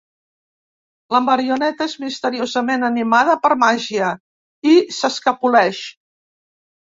La marioneta és misteriosament animada per màgia, i s'escapoleix.